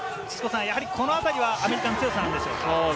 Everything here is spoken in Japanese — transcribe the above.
このあたりはアメリカの強さなんでしょうか。